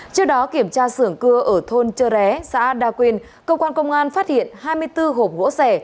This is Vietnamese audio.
trước đó kiểm tra sưởng cưa ở thôn chơ ré xã đa quyền cơ quan công an phát hiện hai mươi bốn hộp gỗ sẻ